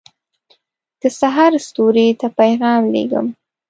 دسحرستوري ته پیغام لېږم